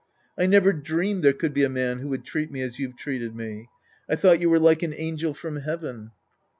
I never dreamed there could be a man who would treat me as you've treated me. I thought you were like an angel from heaven.